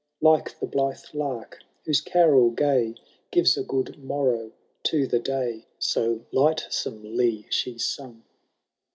Like the blithe lark, whose carol gay Gives a good morrow to the day, So Ughtsomely she sung.